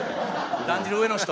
だんじりの上の人。